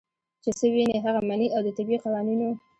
چې څۀ ويني هغه مني او د طبعي قوانینو